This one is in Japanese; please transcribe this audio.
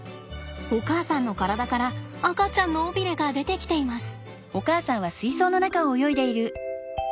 お母さんの体から赤ちゃんの尾ビレが出てきています。